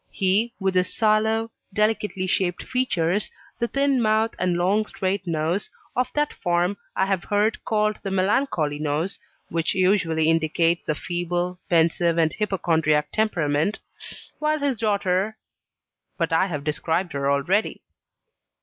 He, with his sallow, delicately shaped features the thin mouth and long straight nose, of that form I have heard called the "melancholy nose," which usually indicates a feeble, pensive, and hypochondriac temperament; while his daughter But I have described her already.